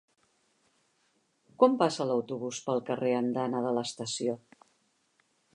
Quan passa l'autobús pel carrer Andana de l'Estació?